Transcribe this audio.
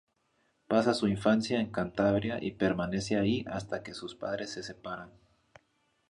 Pasa su infancia en Cantabria y permanece ahí hasta que sus padres se separan.